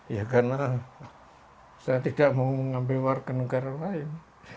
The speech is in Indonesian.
ya karena saya tidak mau mengambil warga negara lain